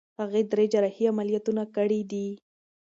هغې درې جراحي عملیاتونه کړي دي.